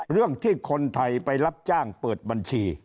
เรื่องที่คนไทยไปรับจ้างเปิดบัญชี